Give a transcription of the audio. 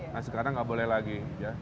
nah sekarang nggak boleh lagi